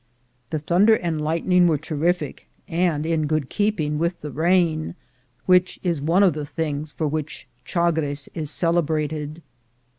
The thunder and lightning were terrific, and in good keeping with the rain, which is one of the things for which Chagres is celebrated.